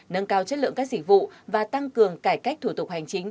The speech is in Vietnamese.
nâng cao chất lượng các dịch vụ và tăng cường cải cách thủ tục hành chính